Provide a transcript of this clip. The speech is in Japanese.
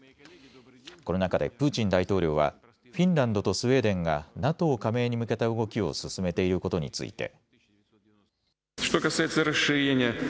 この中でプーチン大統領はフィンランドとスウェーデンがＮＡＴＯ加盟に向けた動きを進めていることについて。